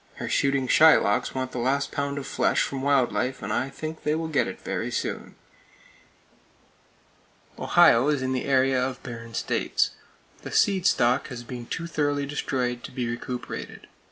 Her shooting Shylocks want the last pound of flesh from wild life, and I think they will get it very soon. Ohio is in the area of barren states. The seed stock has been too thoroughly destroyed to be recuperated.